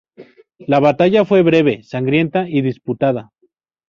La batalla fue breve, sangrienta y disputada.